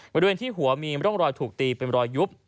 บริเวณที่หัวมีร่องรอยถูกตีเป็นรอยยุบ